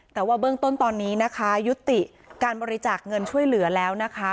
แต่ว่าเบื้องต้นตอนนี้นะคะยุติการบริจาคเงินช่วยเหลือแล้วนะคะ